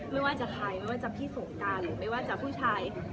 ไม่ว่าจะใครไม่ว่าจะพี่สงการหรือไม่ว่าจะผู้ชาย